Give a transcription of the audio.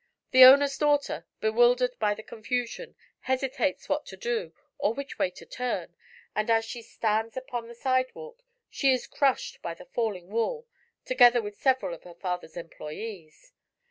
The owner's daughter, bewildered by the confusion, hesitates what to do or which way to turn, and as she stands upon the sidewalk she is crushed by the falling wall, together with several of her father's employees."